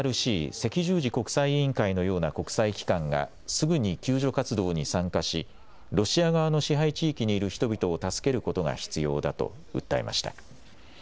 赤十字国際委員会のような国際機関がすぐに救助活動に参加しロシア側の支配地域にいる人々を助けることが必要だと訴えました。